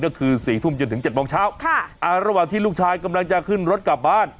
ก็คือสี่ทุ่มจนถึงเจ็ดโมงเช้าค่ะอ่าระหว่างที่ลูกชายกำลังจะขึ้นรถกลับบ้าน